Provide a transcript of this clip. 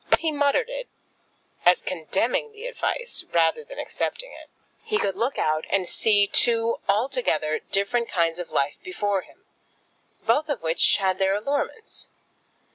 But he muttered it as condemning the advice rather than accepting it. He could look out and see two altogether different kinds of life before him, both of which had their allurements.